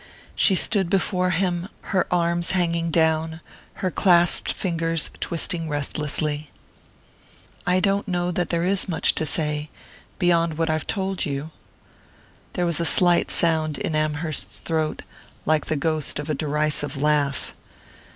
She stood before him, her arms hanging down, her clasped fingers twisting restlessly. "I don't know that there is much to say beyond what I've told you." There was a slight sound in Amherst's throat, like the ghost of a derisive laugh.